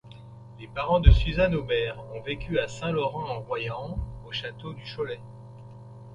Les parents de Suzanne Aubert ont vécu à Saint-Laurent-en-Royans, au château du Cholet.